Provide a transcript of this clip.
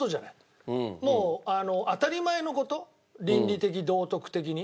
もう当たり前の事倫理的道徳的に。